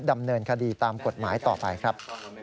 ดำเนินคดีตามกฎหมายต่อไปครับ